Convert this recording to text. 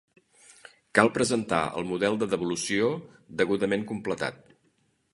Cal presentar el model de devolució degudament completat.